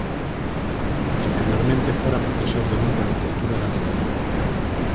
Anteriormente fora profesor de Lingua e Literatura Galega.